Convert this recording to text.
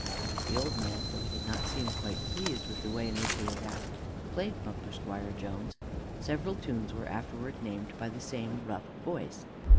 '" The old man, though he did not seem quite pleased with the way in which he was asked, played "Bumper Squire Jones." Several tunes were afterwards named by the same rough voice.